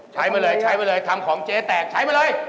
ใช้มาเลยทำของเจ๊แตกใช้มาเลย